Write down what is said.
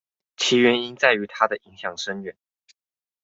其原因在於它的影響深遠